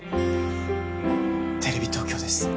あっテレビ東京です。